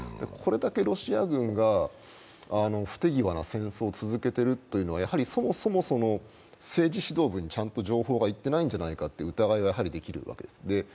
これだけロシア軍が不手際な戦争を続けているというのはそもそも政治指導部にちゃんと情報がいっていないんじゃないかという疑いはやはりできるわけです。